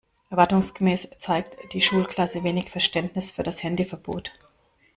Erwartungsgemäß zeigt die Schulklasse wenig Verständnis für das Handyverbot.